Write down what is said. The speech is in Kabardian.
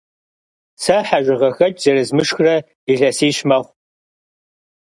Сэ хьэжыгъэхэкӏ зэрызмышхрэ илъэсищ мэхъу.